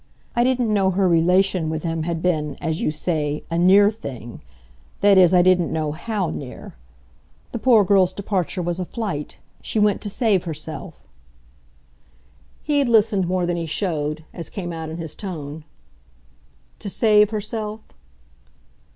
I didn't know her relation with him had been, as you say, a 'near' thing that is I didn't know HOW near. The poor girl's departure was a flight she went to save herself." He had listened more than he showed as came out in his tone. "To save herself?"